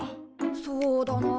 そうだなあ。